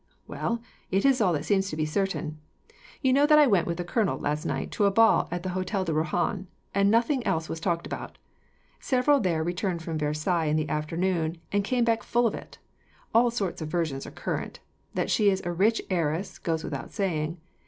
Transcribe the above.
"Well, it is all that seems to be certain. You know that I went with the colonel, last night, to a ball at the Hotel de Rohan, and nothing else was talked about. Several there returned from Versailles in the afternoon, and came back full of it. All sorts of versions are current. That she is a rich heiress goes without saying.